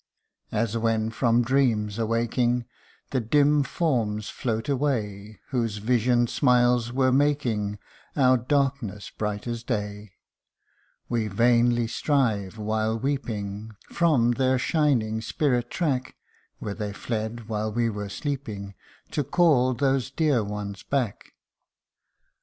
As when from dreams awaking The dim forms float away Whose vision ed smiles were making Our darkness bright as day ; We vainly strive, while weeping, From their shining spirit track, (Where they fled while we were sleeping,) To call those dear ones back